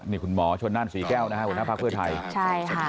นี่คุณหมอชนนั่นศรีแก้วนะฮะหัวหน้าพักเพื่อไทยใช่ค่ะ